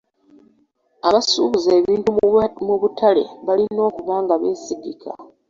Abasuubuza ebintu mu butale balina okuba nga beesigika.